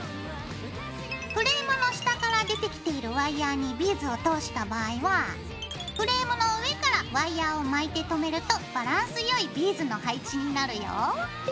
フレームの下から出てきているワイヤーにビーズを通した場合はフレームの上からワイヤーを巻いてとめるとバランスよいビーズの配置になるよ。